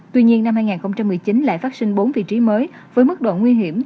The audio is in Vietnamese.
tuy nhiên năm hai nghìn một mươi chín lại phát sinh bốn vị trí mới với mức độ nguy hiểm